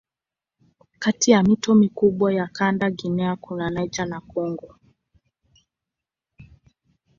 Kati ya mito mikubwa ya kanda Guinea kuna Niger na Kongo.